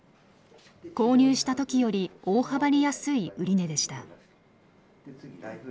購入した時より大幅に安い売値でした。